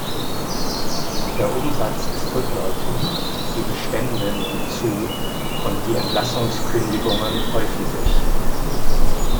Der Umsatz ist rückläufig, die Bestände nehmen zu, und die Entlassungsankündigungen häufen sich.